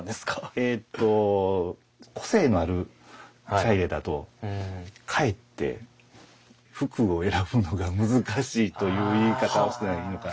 えと個性のある茶入だとかえって服を選ぶのが難しいという言い方をしたらいいのかな。